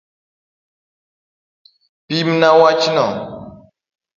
Pimna wachno.